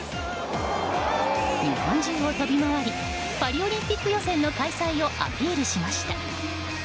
日本中を飛び回りパリオリンピック予選の開幕をアピールしました。